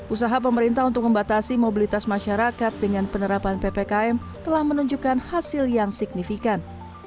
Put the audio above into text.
usaha pemerintah untuk membatasi mobilitas masyarakat dengan penerapan ppkm telah menunjukkan hasil yang signifikan